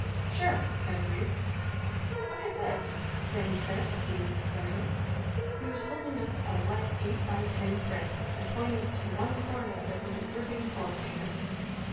"Sure," Ken agreed. "Look at this," Sandy said a few minutes later. He was holding up a wet eight by ten print and pointing to one corner of it with a dripping forefinger.